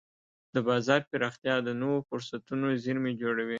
د بازار پراختیا د نوو فرصتونو زېرمې جوړوي.